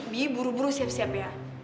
b b buru buru siap siap ya